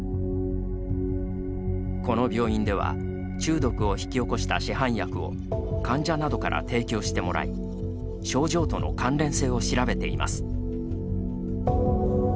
この病院では中毒を引き起こした市販薬を患者などから提供してもらい症状との関連性を調べています。